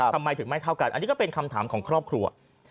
ทำไมถึงไม่เท่ากันอันนี้ก็เป็นคำถามของครอบครัว